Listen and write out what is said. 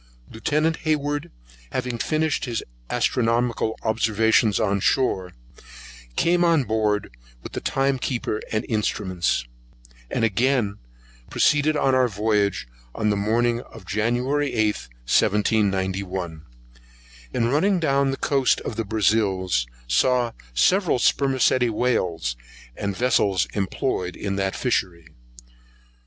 Lieutenant Hayward having finished his astronomical observations on shore, came on board with the time keeper and instruments, and again proceeded on our voyage, on the morning of January 8, 1791. In running down the coast of the Brazils, saw several spermacæti whales, and vessels employed on that fishery.